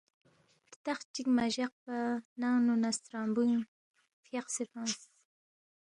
ہرتخ چک مجق پہ ننگنو نہ سترنگبوئینگنو فیاقسے فنگس